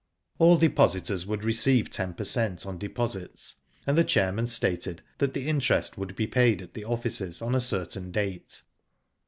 All depositors would receive ten per cent, on deposits, and the chairman stated that the interest would be paid at the offices on a certain date.